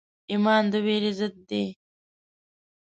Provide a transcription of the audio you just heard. ایمان د ویرې ضد دی.